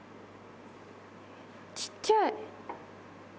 小っちゃい。